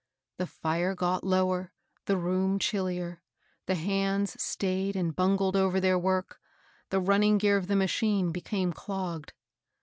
The fire got lower, the room chillier, the hands stayed and bungled over their work, the running gear of the machine became clogged.